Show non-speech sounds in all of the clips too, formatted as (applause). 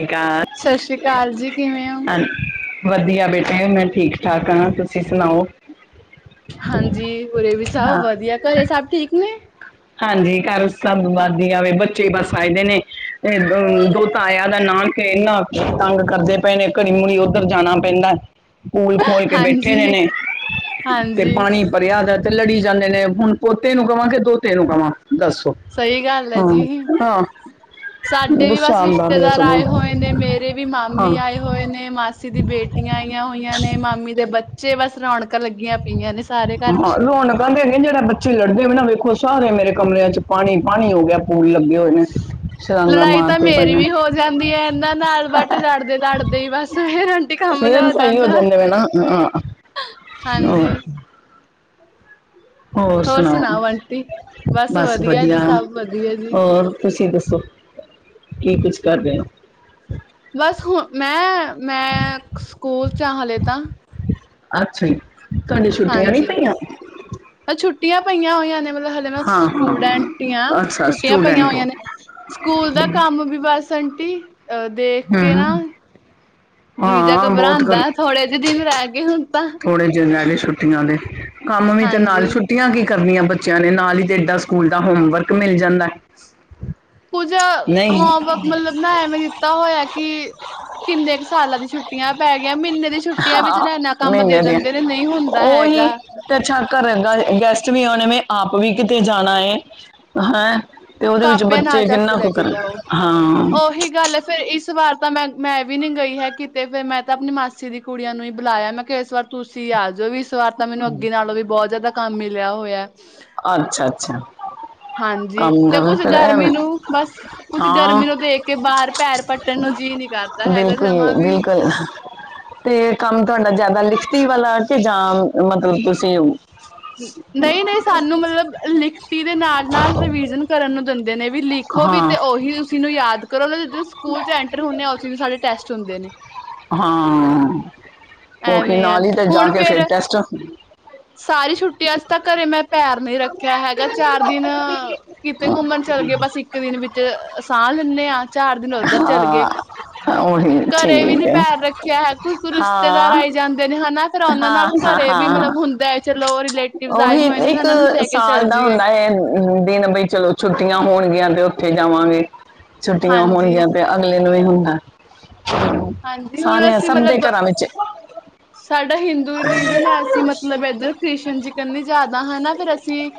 ਸਤਿਕਾਰ ਸ਼ਸ਼ੀ ਕਾਲ ਜੀ, ਕਿਵੇਂ ਓ? ਹਾਂ ਵਧੀਆ ਬੇਟੇ ਮੈਂ ਠੀਕ ਠਾਕ ਹਾਂ, ਤੁਸੀਂ ਸੁਣਾਓ? ਹਾਂਜੀ ਉਰੇ ਵੀ ਸਭ ਹਾਂ ਵਧੀਆ, ਘਰੇ ਸਬ ਠੀਕ ਨੇ? ਹਾਂਜੀ ਘਰ ਸਭ ਵਧੀਆ ਵੇ, ਬੱਚੇ ਬਸ ਆਏਦੇ ਨੇ ਨੇ, ਦੋਤਾ ਆਇਆ ਦਾ ਨਾਨਕੇ ਇੰਨਾ ਤੰਗ ਕਰਦੇ ਪਏ ਨੇ, ਘੜੀ -ਮੁੜੀ ਉੱਧਰ ਜਾਣਾ ਪੈਂਦਾ। ਪੂਲ ਖੋਲ ਕੇ ਬੈਠੇ ਦੇ ਹਾਂਜੀ ਨੇ, ਤੇ ਹਾਂਜੀ ਪਾਣੀ ਭਰਿਆ ਦਾ ਤੇ ਲੜੀ ਜਾਂਦੇ ਨੇ, ਹੁਣ ਪੋਤੇ ਨੂੰ ਕਵਾਂ ਕੇ ਦੋਤੇ ਤੇ ਨੂੰ ਕਵਾਂ। ਦੱਸੋ ਸਹੀ ਗੱਲ ਹੈ ਹਾਂ ਜੀ, ਹਾਂ ਸਾਡੇ ਵੀ ਗੁੱਸਾ ਬਸ ਆਉਂਦਾ ਪਿਆ ਰਿਸ਼ਤੇਦਾਰ ਸਗੋਂ ਆਏ ਹੋਏ ਨੇ, ਮੇਰੇ ਵੀ ਹਾਂ ਮਾਮੀ ਆਏ ਹੋਏ ਨੇ, ਮਾਸੀ ਦੀ ਬੇਟੀਆਂ ਆਈਆਂ ਹੋਈਆਂ ਨੇ, ਮਾਮੀ ਦੇ ਬੱਚੇ ਬਸ ਰੌਣਕਾਂ ਲੱਗੀਆਂ ਪਈਆਂ ਨੇ ਸਾਰੇ ਘਰ ਹਾਂ ਚ। ਰੋਣਕਾਂ ਤੇ ਨਹੀਂ, ਜਿਹੜੇ ਬੱਚੇ ਲੜਦੇ ਵੇ ਨਾ ਵੇਖੋ, ਸਾਰੇ ਮੇਰੇ ਕਮਰਿਆਂ ਚ ਪਾਣੀ ਪਾਣੀ ਹੋ ਗਿਆ। ਪੂਲ ਲੱਗੇ ਹੋਏ ਨੇ ਛਲਾਂਗਾ ਲੜਾਈ ਤਾਂ ਮਾਰਦੇ ਪਏ ਮੇਰੀ ਨੇ ਵੀ ਹੋ ਜਾਂਦੀ ਹੈ ਇਹਨਾਂ ਨਾਲ, ਬਟ ਲੜਦੇ ਲੜਦੇ ਦੇ ਬੱਸ ਹੇ ਫੇਰ ਸਹੀ ਹੋ ਜਾਂਦੇ ਨੇ ਨਾ। ਆਂ, ਆਂ ਹਾਂਜੀ ਹੋਰ ਸੁਣਾਓ, ਆਂਟੀ? ਬਸ ਜੀ ਵਧੀਆ। ਸਭ ਵਧੀਆ ਜੀ। ਹੋਰ ਤੁਸੀਂ ਦੱਸੋ ਕੀ ਕੁਛ ਕਰ ਰਹੇ ਹੋ। ਬਸ ਹੁਣ, ਮੈਂ, ਮੈਂ ਸਕੂਲ ਚ ਹਾਂ ਹੱਲੇ ਤਾਂ। ਅੱਛਾ ਈ। ਕਦੇ ਛੁੱਟੀਆਂ ਨੀ ਹਾਂਜੀ ਪਈਆਂ। ਛੁੱਟੀਆਂ ਪਈਆਂ ਹੋਈਆਂ ਨੇ। ਮਤਲਬ ਹਲੇੇ ਮੈਂ ਹਾਂ ਹਾਂ ਸਟੂਡੈਂਟ ਹੀ ਹਾਂ। ਅੱਛਾ ਛੁੱਟੀਆਂ ਪਈਆਂ ਸਟੂਡੈਂਟ ਹੋ ਹੋਈਆਂ ਨੇ। ਸਕੂਲ ਦਾ ਕੰਮ ਵੀ ਬਸ ਘੰਟੀ ਅਹ ਦੇਖ ਕੇ ਨਾ ਹੂੰ ਜੀ ਜ ਹਾਂ ਬਹੁਤ ਕਰ ਘਬਰਾਉਂਦਾ ਥੋੜੇ ਜਿਹੇ ਦਿਨ ਰਹਿ ਗਏ ਹੁਣ ਤਾਂ। ਥੋੜੇ ਜਿਹੇ ਰਹਿ (unintelligible) ਕੰਮ ਵੀ ਤੇ ਨਾਲ ਹਾਂਜੀ ਛੁੱਟੀਆਂ ਕੀ ਕਰਨੀਆਂ ਬੱਚਿਆਂ ਨੇ ਨਾਲ ਹੀ ਤੇ ਡਾ ਸਕੂਲ ਦਾ ਹੋਮਵਰਕ ਮਿਲ ਜਾਂਦਾ। ਕੁੱਝ ਨਹੀਂ ਹੋਮਵਰਕ ਮਤਲਬ ਨਾ ਐਵੇਂ ਦਿੱਤਾ ਹੋਇਆ ਕਿ ਕਿੰਨੇ ਕੁ ਸਾਲਾਂ ਦੀ ਛੁੱਟੀ ਪੈ ਗਈਆਂ। ਮਹੀਨੇ ਦੀ ਛੁੱਟੀਆਂ ਵਿੱਚ ਹਾਂ ਨਾ ਇਨਾ ਕੰਮ ਦੇ ਮਹੀਨੇ ਦੀਆਂ ਦਿੰਦੇ ਨੇ ਨਹੀਂ ਹੁੰਦਾ ਉਹੀ ਹੈਗਾ। ਤੇ ਅੱਛਾ ਘਰ ਦਾ ਗੈਸਟ ਵੀ ਆਣੇ ਆਪ ਵੀ ਕਿਤੇ ਜਾਣਾ ਹੈ ਹੈਂ। ਤੇ ਉਹਦੇ ਵਿੱਚ ਕਾਪਿਆਂ ਨਾਲ ਬੱਚੇ ਚੱਕ ਕੇ ਕਿੰਨਾ ਲੈ ਕੁ ਕੇ ਕਰਨ ਜਾਓ ਹਾਂ ਉਹੀ ਗੱਲ ਹੈ ਫੇਰ ਇਸ। ਵਾਰ ਤਾਂ ਮੈਂ ਮੈਂ ਵੀ ਨੀ ਗਈ ਹੈ ਕਿਤੇ ਫੇਰ ਮੈਂ ਤਾਂ ਆਪਣੀ ਮਾਸੀ ਦੀ ਕੁੜੀਆਂ ਨੂੰ ਹੀ ਬੁਲਾਇਆ ਮੈਂ ਕਿਹਾ ਇਸ ਵਾਰ ਤੁਸੀਂ ਆ ਜਾਓ ਵੀ। ਇਸ ਵਾਰਤਾ ਮੈਨੂੰ ਅੱਗੇ ਨਾਲੋਂ ਵੀ ਬਹੁਤ ਜ਼ਿਆਦਾ। ਕੰਮ ਮਿਲਿਆ ਹੋਇਆ। ਅੱਛਾ ਅੱਛਾ ਹਾਂਜੀ ਕੰਮ। ਤੇ ਦਾ ਕੁਛ ਫਿਰ ਗਰਮੀ ਐਵੇਂ ਨੂੰ ਬਸ ਕੁਛ ਹਾਂ ਗਰਮੀ ਨੂੰ ਦੇਖ ਕੇ ਬਾਹਰ ਪੈਰ ਪੱਟਨ ਨੂੰ ਜੀਅ ਨੀ ਕਰਤਾ ਹੈਗਾ ਜਮਾਂ ਬਿਲਕੁਲ ਵੀ। ਬਿਲਕੁਲ ਤੇ ਕੰਮ ਤੁਹਾਡਾ ਜ਼ਿਆਦਾ ਲਿਖਤੀ ਵਾਲਾ ਕਿ ਜਾਂ ਮਤਲਬ ਤੁਸੀਂ। ਨਹੀਂ-ਨਹੀਂ ਸਾਨੂੰ ਮਤਲਬ ਲਿਖਤੀ ਦੇ ਨਾਲ-ਨਾਲ ਰਿਵੀਜ਼ਨ ਕਰਨ ਨੂੰ ਦਿੰਦੇ ਨੇ। ਵੀ ਲਿਖੋ ਵੀ ਹਾਂ ਤੇ ਉਹੀ ਉਸ ਨੂੰ ਯਾਦ। ਕਰੋ, ਜਿਸ ਦਿਨ ਸਕੂਲ ਚ ਐਂਟਰ ਹੁੰਦੇ ਆ ਉਸ ਦਿਨ ਸਾਡੇ ਟੈਸਟ ਹੁੰਦੇ ਨੇ। ਹਾਂ। ਉਹੀ ਐਵੇਂ ਆ ਨਾਲ ਹੀ ਤੇ ਜਾ ਹੁਣ ਕੇ ਫੇਰ ਟੈਸਟ। ਸਾਰੀ ਛੁੱਨ ਅੱਜ ਤਾਂ ਘਰੇ ਮੈਂ ਪੈਰ ਨੀ ਰੱਖਿਆ ਹੈਗਾ ਚਾਰ ਦਿਨ ਅ ਕਿਤੇ ਘੁੰਮਣ ਚਲੇ ਗਏ ਬਸ ਇੱਕ ਦਿਨ ਵਿੱਚ ਸਾਹ ਲੈਂਦੇ ਹਾਂ। ਚਾਰ ਦਿਨ ਉੱਧਰ ਚਲੇ ਗਏ ਹਾਂ ਉਹੀ ਘਰੇ ਵੀ ਨੀ ਠੀਕ ਹੈ ਪੈਰ ਰੱਖਿਆ ਹੈ। ਕੁਛ ਕੁਈ ਰਿਸ਼ਤੇਦਾਰ ਹਾਂ ਆਏ ਜਾਂਦੇ ਨੇ ਹੈਨਾ। ਫੇਰ ਉਹਨਾ ਹਾਂ ਨਾਲ ਹਾਂ ਘਰੇ ਵੀ ਹਾਂ ਮਤਲਬ ਹੁੰ ਲੈ ਚਲੋ। ਰਿਲੇਟਿਵ ਆਏ ਉਹੀ ਹੋਏ ਨੇ ਇੱਕ ਉਹਨਾਂ ਨੂੰ ਲੈ ਕੇ ਸਾਲ ਚੱਲ ਦਾ ਜਾਈਏ ਹੁੰਦਾ ਹੈ, ਦਿਨ ਬਈ ਚਲੋ ਛੁੱਟੀਆਂ। ਹੋਣਗੀਆਂ ਤੇ ਉੱਥੇ ਜਾਵਾਂਗੇ। ਛੁੱਟੀਆਂ ਹਾਂਜੀ ਹੋਣਗੀਆਂ ਪਿਆ ਅਗਲੇ। ਨੂੰ ਹੁੰਦਾ। ਹਾਂਜੀ ਹੁਣ ਸਾਰਿਆਂ ਅਸੀਂ ਸਭ ਦੇ ਮਤਲਬ ਘਰਾਂ ਵਿਚ। ਸਾਡਾ ਹਿੰਦੂ ਰਿਲੀਜ਼ਨ ਅਸੀਂ ਮਤਲਬ ਹੈ ਇੱਧਰ ਕ੍ਰਿਸ ਜੀਕਨੀ ਜ਼ਿਆਦਾ ਹਨਾ ਫੇਰ ਅਸੀਂ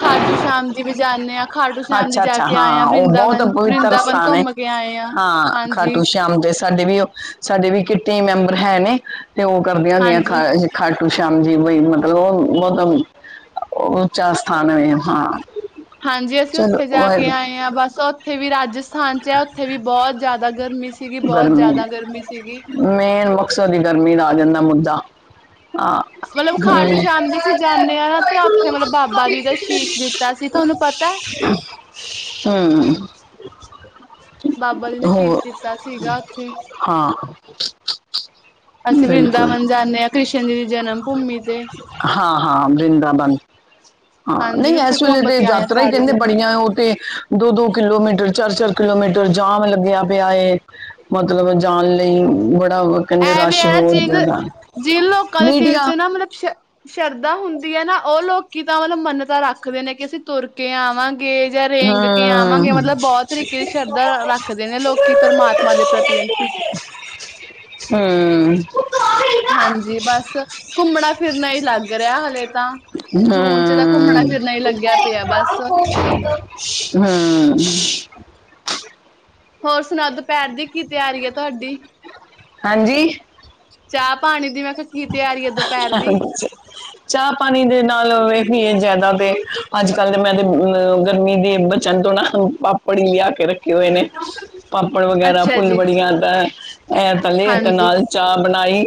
ਖਾਟੂ ਸ਼ਾਮ ਦੀ ਵਜਾਦੇ ਹਾਂ। ਖਾਟੂ ਸ਼ਾਮ ਜੀ ਜਾ ਅੱਛਾ-ਅੱਛਾ। ਕੇ ਆਏ ਹਾਂ ਉਹ ਬਹੁਤ ਵਰਿੰਦਾਵਨ ਪਵਿੱਤਰ ਵਰਿੰਦਾਵਨ ਸਥਾਨ ਹੇ ਘੁੰਮ ਕੇ ਆਏ ਹਾਂ ਹਾਂਜੀ ਖਾਡੂ ਸ਼ਾਮ ਦੇ ਸਾਡੇ ਵੀ ਉਹ ਸਾਡੇ ਵੀ ਕਿਟੀ ਮੈਂਬਰ ਹੈ ਨੇ ਤੇ ਉਹ ਕਰਦੀਆਂ ਹੁੰਦੀਆਂ ਹਾਂਜੀ ਖਾ ਖੱਟ ਸ਼ਾਮ ਜੀ ਬਈ ਮਤਲਬ ਉਹ ਮਤ ਉੱਚਾ ਸਥਾਨ ਹੈ ਹਾਂ। ਹਾਂਜੀ । ਅਸੀਂ ਉੱਥੇ ਚਲੋ ਜਾ ਕੇ ਵਾਹਿਗੁਰੂ ਆਏ ਹਾਂ ਬਸ ਉੱਥੇ ਵੀ ਰਾਜਸਥਾਨ ਚ ਹੈ ਉੱਥੇ ਵੀ ਬਹੁਤ ਜ਼ਿਆਦਾ ਗਰਮੀ ਸੀ। ਗਰਮੀ, ਮੇਨ ਮਕਸਦ ਹੀ ਗਰਮੀ ਦਾ ਆ ਜਾਂਦਾ ਮੁੱਦਾ ਆ ਮਤਲਬ ਖਾਟੂ ਹ, ਸ਼ਾਮ ਜੀ ਅਸੀਂ ਜਾਂਦੇ ਹਾਂ ਨਾ ਤੇ ਉੱਥੇ ਮਤਲਬ ਬਾਬਾ ਜੀ ਦਾ ਸ਼ੀਸ਼ ਦਿੱਤਾ ਸੀ ਤੁਹਾਨੂੰ ਪਤਾ ਹੈ ਹਮ। (inaudible) ਬਾਬਾ ਜੀ ਨੇ ਸ਼ੀਸ਼ ਹੋ ਦਿੱਤਾ। ਸੀਗਾ ਉੱਥੇ (inaudible) ਅਸੀਂ ਬਿਲਕੁਲ, ਵਰਿੰਦਾਵਨ ਜਾਂਦੇ ਹਾਂ ਕ੍ਰਿਸ਼ਨ ਜੀ ਦੀ ਜਨਮ ਭੂਮੀ ਤੇ ਹਾਂ-ਹਾਂ ।ਵਰਿੰਦਾਵਨ ਹਾਂ ਹਾਂਜੀ ਨਹੀਂ ਉੱਥੇ ਇਸ ਵੇਲੇ ਘੁੰਮ ਤੇ ਕੇ ਆਏ ਆ ਯਾਤਰਾ ਹੀ ਸਾਰੇ ਕਹਿੰਦੇ ਜਣੇ ਬੜੀਆਂ ਉਹ ਤੇ ਦੋ-ਦੋ ਕਿਲੋਮੀਟਰ, ਚਾਰ-ਚਾਰ ਕਿਲੋਮੀਟਰ ਜਾਮ ਲੱਗਿਆ ਪਿਆ ਹੈ। ਮਤਲਬ ਜਾਣ ਲਈ ਬੜਾ ਕਹਿੰਦੇ ਐਵੇਂ ਰਸ਼ ਹੈ ਨਾ ਬਹੁਤ ਜਿਨ ਜ਼ਿਆਦਾ ਜਿਹਨ ਲੋਕਾਂ ਦੇ ਦਿਲ ਚ ਮੀਡੀਆ ਨਾ ਮਤਲਬ ਸ਼ ਸ਼ਰਧਾ ਹੁੰਦੀ ਹੈ ਨਾ ਉਹ ਲੋਕੀ ਤਾਂ ਮਤਲਬ ਮੰਨ ਤਾਂ ਰੱਖਦੇ ਨੇ ਕਿ ਅਸੀਂ ਤੁਰ ਕੇ ਆਵਾਂਗੇ ਜਾਂ ਰੇਂਗ ਕੇ ਆਵਾਂਗੇ ਮਤਲਬ ਬਹੁਤ ਤਰੀਕੇ ਦੀ ਹਾਂ, ਸ਼ਰਧਾ ਰੱਖਦੇ ਨੇ ਲੋਕੀ ਪਰਮਾਤਮਾ ਦੇ ਪ੍ਰਤੀ ਆਂਟੀ ਹੂੰ ਹੂੰ ਹਾਂਜੀ ਬਸ ਘੁੰਮਣਾ ਫਿਰਨਾ ਹੀ ਲੱਗ ਰਿਹਾ ਹਾਲੇ ਹੀ ਲੱਗਿਆ ਪਿਆ ਹੂੰ, ਬਸ ਹੂੰ ਹੋਰ ਸੁਣਾਓ ਦੁਪਹਿਰ ਦੀ ਕੀ ਤਿਆਰੀ ਹੈ ਤੁਹਾਡੀ। ਹਾਂਜੀ। ਚਾਹ ਪਾਣੀ ਦੀ ਮੈਂ ਕੀ ਤਿਆਰੀ ਹੈ ਦੁਪਹਿਰ ਦੀ ਚਾਹ ਪਾਣੀ ਦੇ ਨਾਲ ਇਹ ਵੀ ਜ਼ਿਆਦਾ ਤੇ ਅੱਜ ਕੱਲ੍ਹ ਦੇ ਮੈਂ ਤੇ ਅ ਗਰਮੀ ਦੇ ਬਚਣ ਤੋਂ ਨਾ ਪਾਪੜ ਹੀ ਲਿਆ ਕੇ ਰੱਖੇ ਹੋਏ ਨੇ। ਪਾਪੜ ਵਗੈਰਾ ਅੱਛਾ ਫੁੱਲ ਜੀ ਬੜੀਆਂ ਦਾ ਹੈ। ਐ ਤੱਲੇ ਤੇ ਹਾਂਜੀ ਨਾਲ ਚਾਹ ਬਣਾਈ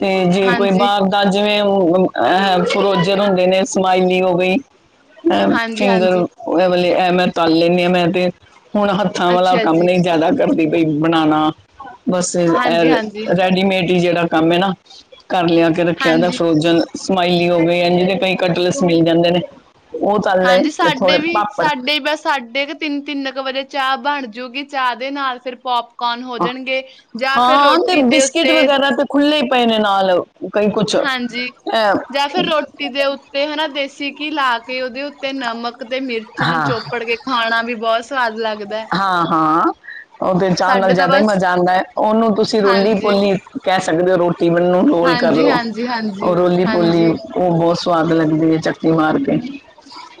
ਤੇ ਜੇ ਕੋਈ ਹਾਂਜੀ ਬਾਹਰ ਦਾ ਜਿਵੇਂ ਅ ਫਰੋਜਨ ਹੁੰਦੇ ਨੇ ਸਮਾਇਲੀ ਹੋ ਗਈ। ਅ ਫੀਗਰ ਹਾਂਜੀ-ਹਾਂਜੀ, ਇਹ ਵਾਲੇ ਐ ਮੈਂ ਤਲ ਲੈਂਦੀ ਆਾਂ ਮੈਂ ਤੇ। ਹੁਣ ਹੱਥਾਂ ਵਾਲਾ ਅੱਛਾ ਕੰਮ ਜੀ, ਨਹੀਂ ਜਿਆਦਾ ਕਰਦੀ। ਬਣਣਾ। ਬਸ ਏ ਹਾਂਜੀ-ਹਾਂਜੀ, ਰੈਡੀਮੇਡ। ਜਿਹੜਾ ਕੰਮ ਨਾ ਘਰ ਲਿਆ ਕੇ ਰੱਖਿਆ ਹਾਂਜੀ। ਹਾਂਜੀ ਫਰੋਜਨ। ਸਮਾਇਲੀ ਹੋ ਗਈ ਏਨਜਦੇ ਕਈ ਕਟਲਸ ਮਿਲ ਜਾਂਦੇ ਨੇ। ਉਹ ਤਲ ਲਏ ਹਾਂਜੀ ਤੇ ਸਾਡੇ ਥੋੜੇ ਵੀ, ਪਾਪੜ ਸਾਡੇ ਬਸ ਸਾਡੇ ਕੁ ਤਿੰਨ ਤਿੰਨ ਕੁ ਵਜੇ ਚਾਹ ਬਣ ਜੂਗੀ ਚਾਹ ਦੇ ਨਾਲ ਫਿਰ ਪੋਪ ਕੌਣ ਹੋ ਹਾਂ ਜਾਣਗੇ ਜਾਂ ਫਿਰ ਰੋਟੀ ਦੇ ਉੱਤੇ ਪ ਨੇ ਨਾਲਲ ਹਾਂਜੀ ਜਾਂ ਫਿਰ ਰੋਟੀ ਦੇ ਉੱਤੇ ਹਨਾ ਦੇਸੀ ਘੀ ਲਾ ਕੇ ਉਹਦੇ ਉੱਤੇ ਨਮਕ ਤੇ ਮਿਰਚ ਚ ਹਾਂ ਚੋਪੜ ਕੇ ਖਾਣਾ ਵੀ ਬਹੁਤ ਸਵਾਦ ਲੱਗਦਾ। ਹੈ। ਹਾਂ ਹਾਂ ਉਹ ਫੇਰ ਚਾਹ ਨਾਲ ਸਾਡੇ ਤਾਂ ਜਿਆਦਾ ਹੀ ਬਸ ਮਜ਼ਾ ਆਉਂਦਾ ਹੈ ਉਹਨੂੰ ਤੁਸੀਂ ਰੋਲੀ ਹਾਂਜੀ, ਪੋਲੀ ਕਹਿ। ਦੇ ਰੋ। (inaudible) ਮਨ ਨੂੰ ਰੋਲ ਕਰਲੋ ਹਾਂਜੀ-ਹਾਂਜੀ, ਹਾਂਜੀ, ਉਹ ਹਾਂਜੀ। ਰੋਲੀ ਪੋਲੀ ਹਾਂਜੀ ਉਹ ਬਹੁਤ। ਸਵਾਦ ਲੱਗਦੀ ਹੈ ਚੱਕੀ ਮਾਰ ਕੇ।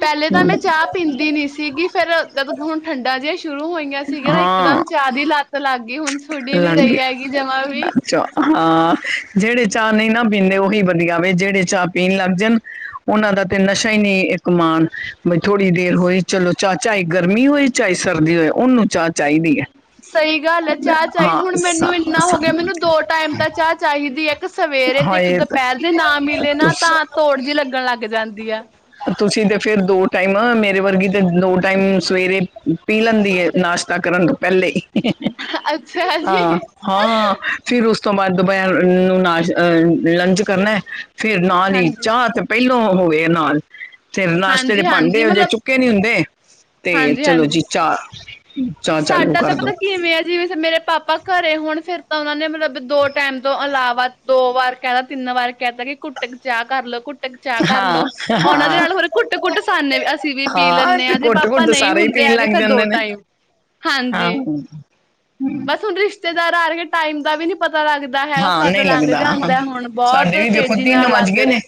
ਪਹਿਲੇ ਤਾਂ ਹਮ, ਮੈਂ ਚਾਹ ਪੀਂਦੀ ਨੀ ਸੀਗੀ। ਫੇਰ ਜਦ ਹੁਣ ਠੰਡਾ ਜਿਹਾ। ਸ਼ੁਰੂ ਹੋਈਆਂ ਸੀਗੀਆਂ ਇਕਦਮ ਚਾਹ ਦੀ ਲਤ ਲੱਗ ਗਈ ਹੁਣ। ਛੁੱਡੀ ਨੀ ਲਗੇ ਰਹੀ ਹੈਗੀ ਜਮਾਂ ਵੀ ਅੱਛੋ ਹਾ। (inaudible) ਜਿਹੜੇ ਚਾਹ ਨਹੀਂ ਨਾ ਪੀਂਦੇ ਉਹੀ ਵਧੀਆ ਵੇ ਜਿਹੜੇ ਚਾਹ ਪੀਣ ਲੱਗ ਜਾਣ ਉਹਨਾਂ ਦਾ ਤੇ ਨਸ਼ਾ ਹੀ ਨਹੀਂ ਇੱਕ ਮਾਣ ਬਈ ਥੋੜ੍ਹੀ ਦੇਰ ਹੋਈ ਚਲੋ ਚਾਹ ਚਾਹੇ ਗਰਮੀ ਹੋਏ ਚਾਹੇ ਸਰਦੀ ਹੋਏ ਉਹਨੂੰ ਚਾਹ ਚਾਹੀਦੀ ਹੈ। ਸਹੀ ਗੱਲ ਹੈ ਚਾਹ ਚਾਹੀ। ਹਾਂ ਹੁਣ ਮੈਨੂੰ ਸ- ਇੰਨਾ ਹੋ ਗਿਆ ਮੈਨੂੰ ਸ- ਦੋ ਟਾਈਮ ਤਾਂ ਚਾਹ ਚਾਹੀਦੀ ਹੈ ਇੱਕ ਸਵੇਰੇ ਤੇ ਇੱਕ ਹਾਏ ਦੁਪਹਿਰ ਜੇ ਨਾ ਮਿਲੇ ਨਾ ਤੁਸ ਤਾਂ ਤੋੜ ਜਿ ਲੱਗਣ ਲੱਗ ਜਾਂਦੀ ਆ। ਤੁਸੀਂ ਤੇ ਫਿਰ ਦੋ ਟਾਈਮ ਮੇਰੇ ਵਰਗੀ ਤੇ ਦੋ ਟਾਈਮ ਸਵੇਰੇ ਪੀ ਲੈਂਦੀ ਹੈ ਨਾਸ਼ਤਾ ਕਰਨ ਤੋਂ ਪਹਿਲੇ। ਅੱਛਾ ਹਾਂ ਜੀ ਹਾਂ ਫਿਰ ਉਸ। ਉਸ ਤੋਂ ਬਾਅਦ ਦੁਬਿਆ ਨੂੰ ਨਾਸ਼ ਅਹ ਲੰਚ ਕਰਨਾ। (inaudible) ਫ਼ਿਰ ਨਾਲੀ ਹਾਂਜੀ ਚਾਹ ਤੇ ਪਹਿਲ। ਹੋਵੇ ਨਾਲ। ਫਿਰ ਨਾਸ਼ਤੇ ਹਾਂਜੀ ਹਾਂਜੀ ਭਾਂਡੇ ਹੋ ਜੇ ਮਤਲਬ ਚੁੱਕੇ ਨੀ ਹੁੰਦੇ ਤੇ ਹਾਂਜੀ ਚਲੋ ਹਾਂਜੀ ਜੀ ਚਾਹ। ਚਾਹ ਚਾਲੂ ਸਾਡਾ ਕਰ ਤਾਂ ਦੋ ਪਤਾ ਕਿਵੇਂ ਆ ਜਿਵੇਂ ਮੇਰੇ ਪਾਪਾ ਘਰੇ ਹੋਣ ਫ਼ਿਰ ਤਾਂ ਉਹਨਾਂ ਨੇ ਮਤਲਬ ਦੋ ਟਾਈਮ ਤੋਂ ਇਲਾਵਾ ਦੋ ਵਾਰ ਕਹਿਤਾ ਤਿੰਨ ਵਾਰ ਕਹਿਤਾ ਕਿ ਕੁੁੱਟ ਚਾਹ ਕਰ ਲਓ ਕੁੱਟ ਚਾਹ ਕਰ ਹਾਂ ਲਓ ਉਹਨਾਂ ਦੇ ਹਾਂ ਨਾਲ ਹੋਰ ਘੁੱਟ ਕੁੁੱਟ ਸਾਨੇ ਵੀ ਅਸੀਂ ਵੀ ਪੀ ਲੈਂਦੇ ਤੇ ਹਾਂ ਜੇ ਘੁੱਟ ਪਾਪਾ ਘੁੱਟ ਨਹੀਂ ਸਾਰੇ ਹੀ ਹੁੰਦੇ ਪੀਣ ਲੱਗ ਫੇਰ ਦੋ ਜਾਂਦੇ ਨੇ ਟਾਈਮ ਹਾਂ ਹਾਂਜੀ ਬਸ ਉਹ ਰਿਸ਼ ਰਿਸ਼ਤੇਦਾਰ ਆ ਰਹੇ ਟਾਈਮ ਦਾ ਵੀ ਨਹੀਂ ਪਤਾ । ਹਾਂ ਨਹੀਂ ਲੱਗਦਾ ਹੁਣ ਬਹੁਤ ਸਾਡੇ ਵੀ ਦੇਖੋ ਤੇਜ਼ੀ ਤਿੰਨ ਨਾਲ ਵੱਜ ਲੰਘ ਗਏ ਰਿਹਾ ਨੇ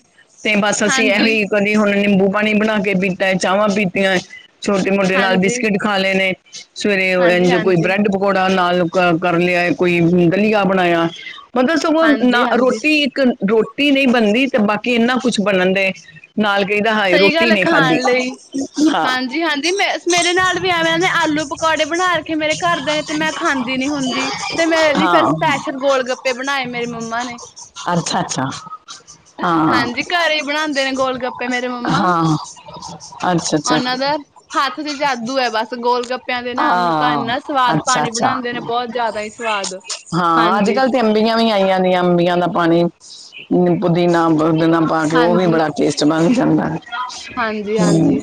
ਤੇ ਬਸ ਅਸੀਂ ਇਹੋ ਹਾਂਜੀ ਹੀ ਕਦੀ ਹੁਣ ਨਿੰਬੂ ਪਾਣੀ ਬਣਾ ਕੇ ਪੀਤਾ ਹੈ ਚਾਵਾਂ ਪੀਤੀਆਂ। ਛੋਟੇ ਮੋਟੇ ਨਾਲ ਹਾਂਜੀ ਬਿਸਕਿਟ ਖਾ ਲਏ ਨੇ ਸਵੇਰੇ ਹਾਂਜੀ ਇੰਝ ਕੋਈ ਹਾਂਜੀ ਬ੍ਰੈਡ ਪਕੌੜਾ ਨਾਲ ਕਰ ਲਿਆ ਕੋਈ ਦਲੀਆ ਬਣਾਇਆ ਪਤਾ ਸਗੋਂ ਹਾਂਜੀ ਨਾ ਹਾਂਜੀ ਰੋਟੀ ਇੱਕ ਰੋਟੀ ਨਹੀਂ ਬਣਦੀ ਤੇ ਬਾਕੀ ਇਨਾ ਕੁਛ ਬਣਨ ਦੇ ਨਾਲ ਕਹੀਦਾ ਹਾਏ ਸਹੀ ਰੋਟੀ ਗੱਲ ਹੈ ਨਹੀਂ ਖਾਧੀ ਖਾਣ ਲਈ ਹਾਂ ਹਾਂਜੀ ਹਾਂਜੀ ਮ ਮੇਰੇ ਨਾਲ ਵੀ ਐਵੇਂ ਨੇ ਆਲੂ ਪਕੌੜੇ ਬਣਾ ਕੇ ਮੇਰੇ ਘਰ ਦੇ ਨੇ ਤੇ ਮੈਂ ਖਾਂਦੀ ਨੀ ਹੁੰਦੀ ਤੇ ਮੇਰੇ ਲਈ ਫੇਰ ਹਾਂ ਸਪੈਸ਼ਲ ਗੋਲ ਗੱਪ ਗੋਲ ਗੱਪੇ ਬਣਾਏ ਮੇਰੀ ਮੰਮਾ ਨੇ ਅੱਛਾ ਅੱਛਾ ਹਾਂ ਹਾਂਜੀ ਘਰ ਹੀ ਬਣਾਉਂਦੇ ਨੇ ਗੋਲ ਗੱਪੇ ਮੇਰੇ ਮੰਮਾ ਹਾਂ ਅੱਛਾ ਅੱਛਾ ਉਹਨਾਂ ਦਾ ਹੱਥ ਚ ਜਾਦੂ ਐ, ਬਸ ਗੋਲ ਗੱਪ ਪਿਆਂ ਦੇ ਨਾਮ ਨੂੰ ਤਾਂ ਹਾਂ ਇੰਨਾ ਸਵਾਦ ਅੱਛਾ ਪਾਣੀ ਅੱਛਾ ਬਣਾਦੇ ਨੇ ਬਹੁਤ ਜ਼ਿਆਦਾ ਹੀ ਸਵਾਦ ਹਾਂ ਅੱਜ ਹਾਂਜੀ ਕੱਲ ਤੇ ਵੀ ਅੰਬੀਆਂ ਆਈਆਂ ਦੀਆਂ ਅੰਬੀਆਂ ਦਾ ਪਾਣੀ, ਪੁਦੀਨਾ ਅੰਬ ਗਣਾ ਪਾ ਕੇ ਉਹ ਵੀ ਹਾਂਜੀ ਬੜਾ ਟੇਸਟ ਬਣ ਜਾਂਦਾ ਹਾਂਜੀ, ਹਮ, ਹਾਂਜੀ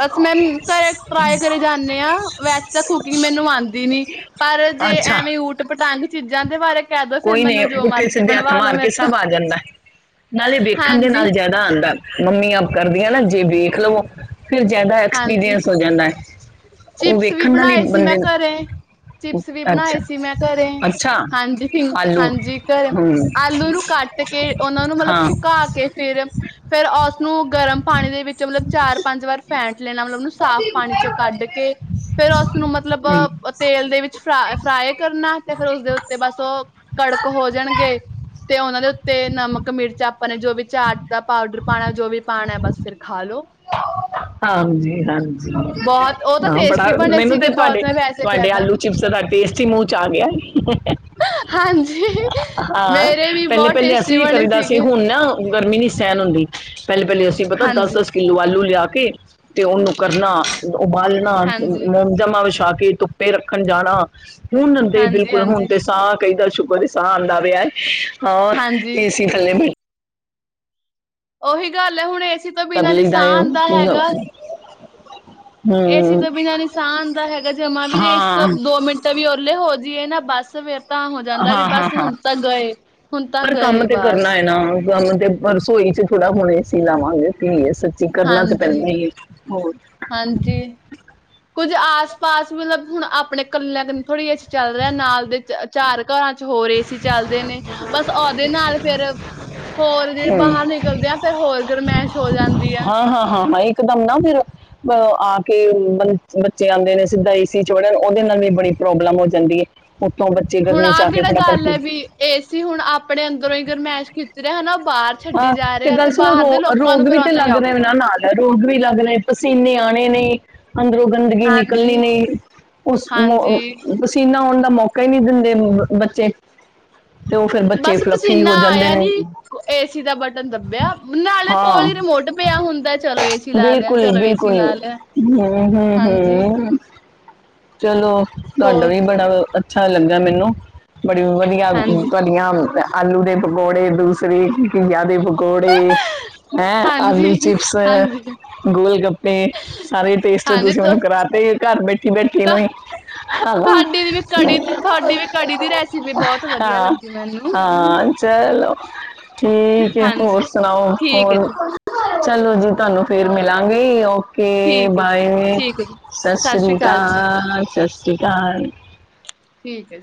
ਬਸ ਮੈਮ ਘਰ ਟਰਾਏ ਕਰੇ ਜਾਂਨੇ ਆਂ। ਵੈਸੇ ਤਾਂ ਕੁਕਿੰਗ ਮੈਨੂੰ ਆਂਦੀ ਨੀ, ਪਰ ਜੇ ਅੱਛਾ ਐਵੇਂ ਊਟ ਪਟਾਂਗ ਜਾ ਕੋਈ ਨਹੀਂ ਪੁੱਠੇ ਸਿੱਧੇ ਹੱਥ ਬਣਵਾ ਲੋ ਮਾਰ ਮੇਰੇ ਕੇ ਤੋਂ ਸਭ ਆ ਜਾਂਦਾ, ਨਾਲੇ ਵੇਖਣ ਦੇ ਹਾਂਜੀ, ਨਾਲ ਜਿਆਦਾ ਆਂਦਾ। ਮੰਮੀ ਆਪ ਕਰਦੀਆਂ ਨਾ ਜੇ ਵੇਖ ਲਵੋ ਫੇਰ ਜ਼ਿਆਦਾ ਹਾਂਜੀ ਐਕਸਪੀਰੀਐੰਸ ਹੋ ਜਾਂਦਾ ਹੈ। ਉਹ ਚਿਪਸ ਵੀ ਵੇਖਣ ਨਾਲ ਹੀ ਬਣਾਏ ਸੀ ਮੈਂ ਬੰਦੇ ਨੂੰ- ਘਰੇ ਚਿਪਸ ਵੀ ਅੱਛਾ ਬਣਾਏ ਸੀ ਮੈਂ ਘਰੇ ਅੱਛਾ ਹਾਂਜੀ ਆਲੂ -ਹਾਂਜੀ ਘਰ ਹਮ ਆਲੂ ਨੂੰ ਕੱਟ ਕੇ ਉਹਨਾ ਨੂੰ ਮਤਲਬ ਹਾਂ ਹਮ। ਸੁਕਾ ਕੇ ਫੇਰ ਫੇਰ ਉਸਨੂੰ ਗਰਮ ਪਾਣੀ ਦੇ ਵਿੱਚ ਮਤਲਬ ਚਾਰ ਪੰਜ ਵਾਰ ਫੈਂਟ ਲੈਣਾ ਮਤਲਬ ਉਹਨੂੰ ਸਾਫ਼ ਪਾਣੀ ਚੋਂ ਕੱਢ ਕੇ ਕੇ ਫੇਰ ਉਸਨੂੰ ਮਤਲਬ ਤੇਲ ਦੇ ਵਿੱਚ ਫਰਾ ਫਰਾਏ ਕਰਨਾ ਤੇ ਫੇਰ ਉਸਦੇ ਉੱਤੇ ਬਸ ਉਹ ਕੜਕ ਹੋ ਜਾਣਗੇ ਤੇ ਉਹਨਾਂ ਦੇ ਉੱਤੇ ਨਮਕ ਮਿਰਚਾਂ ਆਪਾਂ ਨੇ ਜੋ ਵੀ ਚਾਟ ਦਾ ਪਾਊਡਰ ਪਾਣਾ, ਜੋ ਵੀ ਪਾਣਾ ਬਸ ਫਿਰ ਖਾ ਲੋ। ਹਾਂਜੀ, ਹਾਂਜੀ ਬਹੁਤ ਉਹ ਤਾਂ ਬੜਾ ਟੇਸਟੀ ਬਣੇ ਮੈਨੂੰ ਤੇ ਸੀਗੇ ਤੁਹਾਡੇ ਬਹੁਤ ਮੈਂ ਵੈਸੇ ਤੁਹਾਡੇ ਕਹਿਦਾ ਆਲੂ ਚਿਪਸ ਦਾ ਟੇਸਟ ਮੂੰਹ ਚ ਆ ਗਿਆ, ਹਾਂਜੀ ਹਾਂ ਮੇਰੇ ਵੀ ਪਹਿਲੇ- ਬਹੁਤ ਪਹਿਲੇ ਟੇਸਟੀ ਅਸੀਂ ਬਣੇ ਕਰੀਦਾ ਸੀ ਸੀਗੇ ਹੁਣ ਨਾ ਗਰਮੀ ਨੀ ਸਹਿਣ ਹੁੰਦੀ। ਪਹਿਲੇ -ਪਹਿਲੇ ਅਸੀਂ ਪਤਾ ਦਸ ਹਾਂਜੀ -ਦਸ ਆਲੂ ਲਿਆ ਕੇ ਤੇ ਉਹਨੂੰ ਕਰਨਾ ਉਬਾਲਣਾ ਹਾਂਜੀ ਮੋਮ ਜਮਾ ਵਿਛਾ ਕੇ ਧੁੱਪੇ ਰੱਖਣ ਜਾਣਾ। ਹੁਣ ਤੇ ਹਾਂਜੀ ਬਿਲਕੁਲ ਹੁਣ ਹਾਂਜੀ ਤੇ ਸਾਫ਼ ਕਦੀ ਸ਼ੁਕਰ ਦੀ ਸਾਹ ਆਂਦਾ ਪਿਆ ਏ ਹਾਂ ਹਾਂਜੀ ਏ ਸੀ ਥੱਲੇ ਬੈਠੇ ਉਹੀ ਗੱਲ ਹੈ ਹੁਣ ਏ ਸੀ ਏ ਤੋਂ ਕਰ ਬਿਨਾਂ ਨੀ ਲਈਦਾ ਸਾਹ ਏ ਆਂਦਾ ਹੈਗਾ, ਹੂੰ ਏ ਸੀ ਤੋਂ ਬਿਨਾਂ ਨੀ ਸਾਹ ਆਂਦਾ ਹੈਗਾ ਜਮਾਂ ਵੀੇ ਏ ਸੀ ਤੋਂ ਹਾਂ ਦੋ ਮਿੰਟ ਵੀ ਵਿਹਲੇ ਹੋ ਜਾਈਏ ਨਾ ਬੱਸ ਫਿਰ ਹਾਂ, ਹਾਂ, ਹਾਂ ਹੁਣ ਤਾਂ ਪਰ ਗਏ ਕੰਮ ਤੇ ਕਰਨਾ ਬਸ ਹੈ ਨਾ ਕੰਮ ਤੇ ਰਸੋਈ (inaudible) ਸੱਚੀ ਕਰਨਾ ਤਾਂ ਪੈਂਦਾ ਹਾਂਜੀ ਹੀ ਹੋਰ ਹਾਂਜੀ ਕੁੱਝ ਆਸ ਪਾਸ ਮਤਲਬ ਹੁਣ ਆਪਣੇ ਕੱਲਿਆਂ ਥੋੜ੍ਹੀ ਜਿ ਚੱਲ ਰਿਹਾ ਨਾਲ ਦੇ ਚਾਰ ਘਰਾਂ ਚ ਹੋ ਰਹੇ ਸੀ ਚੱਲਦੇ ਨੇ ਬਸ ਉਹਦੇ ਨਾਲ ਫੇਰ ਹੋਰ ਜਿਹੜੇ ਹਮ, ਬਾਹਰ ਨਿਕਲਦੇ ਆ ਫਿਰ ਹੋਰ ਗਰਮਾਇਸ਼ ਹੋ ਜਾਂਦੀ ਆ ਹਾਂ ਹਾਂ ਹਾਂ ਇਕ ਦਮ ਨਾ ਫਿਰ ਅ ਆ ਕੇ ਬੱਚੇ ਆਦੇ ਨੇ ਸਿੱਧਾ ਏਸੀ ਚੌੜਨ ਉਹਦੇ ਨਾਲ ਵੀ ਬੜੀ ਪ੍ਰੋਬਲਮ ਹੋ ਜਾਂਦੀ ਹੈ ਉੱਤੋਂ ਬੱਚੇ ਹੁਣ ਗਰਮੀ ਚ ਆਹ ਆ ਕੇ ਕਿਹੜਾ ਫੜਾ ਗੱਲ ਹੈ ਵੀ ਏ ਸੀ ਹੁਣ ਆਪਣੇ ਅੰਦਰੋਂ ਹੀ ਗਰਮੈਸ਼ ਖਿੱਚ ਰਿਹਾ ਹਨਾ ਬਾਹਰ ਛੱਡੀ ਹਾਂ ਜਾ ਤੇ ਰਿਹਾ ਗੱਲ ਸੁਣੋ ਬਾਹਰ ਰੋ ਦੇ ਲੋਕਾਂ ਨੂੰ ਰੋਗ ਫੇਰ ਵੀ ਤੇ ਓਨਾ ਹੀ ਲੱਗ ਰਹੇ ਔਖਾ ਉਹਨਾਂ ਨਾਲ ਰੋਗ ਵੀ ਲੱਗ ਰਹੇ ਪਸੀਨੇ ਆਣੇ ਨੇ ਅੰਦਰੋਂ ਗੰਦਗੀ ਨਿਕਲਣੀ ਹਾਂਜੀ, ਨਹੀਂ ਉਸ ਹਾਂਜੀ ਪਸੀਨਾ ਆਣਾ ਤਾਂ ਮੌਕਾ ਹੀ ਨਹੀਂ ਦਿੰਦੇ ਬੱਚੇ ਤੇ ਉਹ ਫੇਰ ਬੱਚੇ ਬਸ ਫਲੱਫੀ ਪਸੀਨਾ ਹੋ ਜਾਂਦੇ ਆਇਆ ਨੇ ਨੀ ਏਸੀ ਦਾ ਬਟਨ ਦੱਬਿਆ ਨਾਲੇ ਕੋਲ ਹਾਂ ਹੀ ਰਿਮੋਟ ਪਿਆ ਹੁੰਦਾ ਚਲੋ ਏਸੀ ਲਾ ਲਿਆ ਬਿਲਕੁਲ ਚਲੋ ਏਸੀ ਬਿਲਕੁਲ ਲਾ ਲਿਆ ਹਮ ਹਮ ਹਾਂਜੀ ਹਮ ਚਲੋ ਤੁਵਾਡਾ ਹੋਰ ਵੀ ਬਡਾ ਵਾ ਅੱਛਾ ਲੱਗਦਾ ਮੈਨੂੰ ਬੜੀ ਵਧੀਆ ਹਾਂਜੀ, ਤੁਹਾਡੀਆਂ ਆਲੂ ਦੇ ਪਕੌੜੇ ਦੂਸਰੇ ਜ਼ਿਆਦੇ ਪਕੌੜੇ ਹੈਂ ਹਾਂਜੀ, ਆਲੂ ਚਿਪਸ ਹਾਂਜੀ, ਗੋਲ ਗੱਪੇ ਸਾਰੇ ਟੇਸਟ ਹਾਂਜੀ ਤੁਸੀਂ ਤ ਮੈਨੂੰ ਕਰਾਤੇ ਘਰ ਬੈਠੇ ਬੈਠੀ ਤ ਨੂੰ ਹਾਂ ਤੁਹਾਡੀ ਵੀ ਕੜੀ ਦੀ ਤੁਹਾਡੀ ਵੀ ਕੜੀ ਦੀ ਰੈਸਿਪੀ ਬਹੁਤ ਵਧੀਆ ਹਾਂ ਲੱਗੀ ਮੈਨੂੰ। ਹਾਂ ਚਲੋ ਠੀਕ ਹੈ ਹੋਰ ਹਾਂਜੀ, ਸੁਣਾਓ ਠੀਕ ਹੈ ਹੋਰ ਜੀ, ਚਲੋ ਜੀ ਤੁਹਾਨੂੰ ਫੇਰ ਮਿਲਾਂਗੇ ਤੇ ਠੀਕ ਹੈ ਜੀ, ਬਾਏ ਠੀਕ ਹੈ ਜੀ। ਸਤਿ ਸ਼੍ਰੀ ਸ੍ਰੀ ਜੀ, ਅਕਾਲ, ਸਤਿ ਸ੍ਰੀ ਅਕਾਲ। (unintelligible) ਠੀਕ ਜੀ।